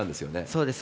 そうです。